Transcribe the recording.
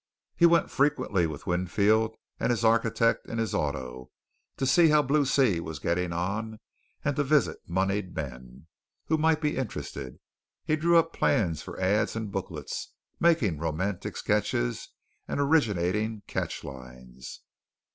He went frequently with Winfield and his architect in his auto to see how Blue Sea was getting on and to visit monied men, who might be interested. He drew up plans for ads and booklets, making romantic sketches and originating catch lines.